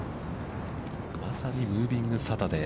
まさにムービングサタデー。